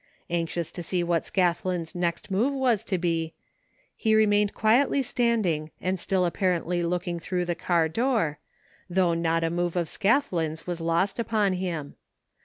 Anxious to see what Scathlin's next move was to be, he re mained quietly standing and still apparently looking through the car door, though not a move of Scathlin's was lost upon him.